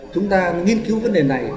chúng ta nghiên cứu vấn đề này